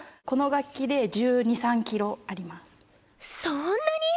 そんなに！